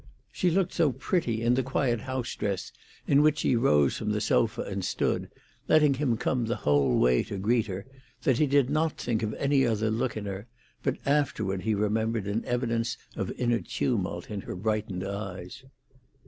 She looked so pretty in the quiet house dress in which she rose from the sofa and stood, letting him come the whole way to greet her, that he did not think of any other look in her, but afterward he remembered an evidence of inner tumult in her brightened eyes.